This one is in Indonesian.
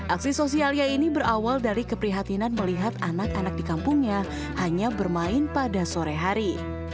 aksi sosialnya ini berawal dari keprihatinan melihat anak anak di kampungnya hanya bermain pada sore hari